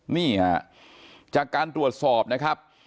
นี่ฮะจากการตรวจสอบนะครับ